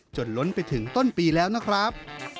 ล้นไปถึงต้นปีแล้วนะครับ